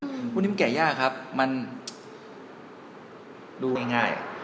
อันนี้มันแกะยากครับมันดูไม่ง่าย